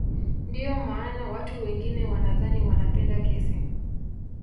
Ndio maana watu wengine wanadhani wanapenda kesi